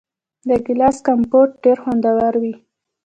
د ګیلاس کمپوټ ډیر خوندور وي.